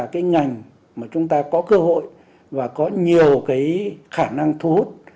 đây là một cơ hội rất tốt